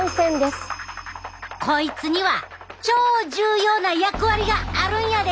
こいつには超重要な役割があるんやで！